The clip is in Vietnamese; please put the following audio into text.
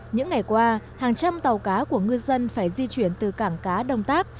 những ngày qua hàng trăm tàu cá của ngư dân phải di chuyển từ cảng cá đông tác